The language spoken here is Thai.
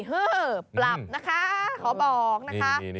ฮือปรับนะคะขอบอกนะคะ